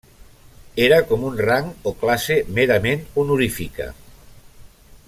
Era com un rang o classe merament honorífica.